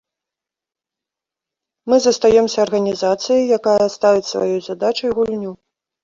Мы застаёмся арганізацыяй, якая ставіць сваёй задачай гульню.